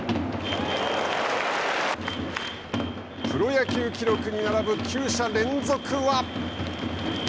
プロ野球記録に並ぶ９者連続は。